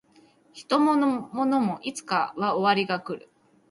人も物もいつかは終わりが来る